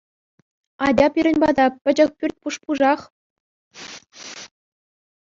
Атя пирӗн пата, пӗчӗк пӳрт пуш-пушах.